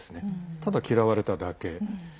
ただ、嫌われただけ。